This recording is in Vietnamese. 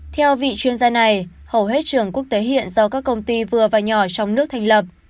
theo vị chuyên gia này hầu hết trường quốc tế hiện do các công ty vừa và nhỏ trong nước thành lập